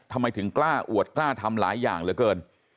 ทำไมถึงกล้าอวดกล้าทำหลายอย่างเหลือเกิน